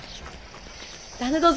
旦那どうぞ。